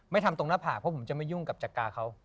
ทำตรงหน้าผากเพราะผมจะไม่ยุ่งกับจักราเขา